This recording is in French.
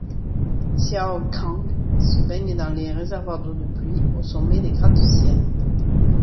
Hsiao-Kang se baigne dans les réservoirs d'eau de pluie, au sommet des gratte-ciels.